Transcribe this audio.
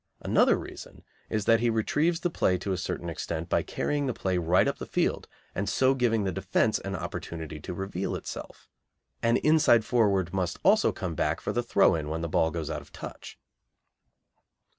Another reason is that he retrieves the play to a certain extent by carrying the play right up the field and so giving the defence an opportunity to reveal itself. An inside forward must also come back for the throw in when the ball goes out of touch.